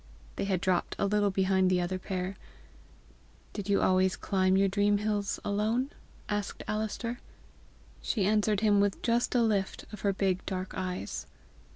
They had dropped a little behind the other pair. "Did you always climb your dream hills alone?" asked Alister. She answered him with just a lift of her big dark eyes.